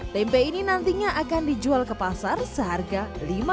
tempe ini nantinya akan dijual ke pasar seharga lima rupiah per kemasan